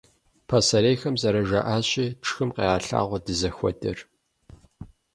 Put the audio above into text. Пасэрейхэм зэрыжаӀащи, «тшхым къегъэлъагъуэ дызыхуэдэр».